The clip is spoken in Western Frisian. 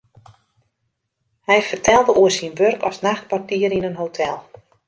Hy fertelde oer syn wurk as nachtportier yn in hotel.